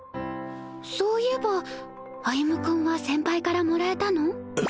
そういえば歩君は先輩からもらえたの？